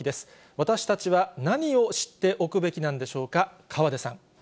私たちは何を知っておくべきなんでしょうか。